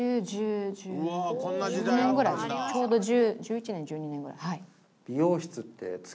ちょうど１１年１２年ぐらいはい。